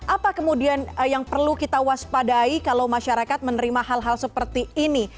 apa kemudian yang perlu kita waspadai kalau masyarakat menerima hal hal seperti ini